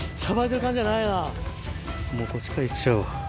もうこっちから行っちゃおう。